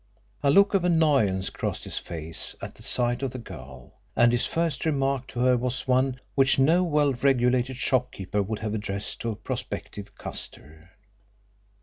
A look of annoyance crossed his face at the sight of the girl, and his first remark to her was one which no well regulated shopkeeper would have addressed to a prospective customer.